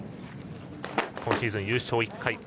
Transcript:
今シーズン優勝１回。